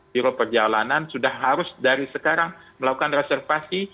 biro perjalanan sudah harus dari sekarang melakukan reservasi